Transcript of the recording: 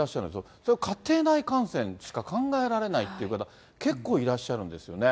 それ、家庭内感染しか考えられないっていうけど、結構、いらっしゃるんですよね。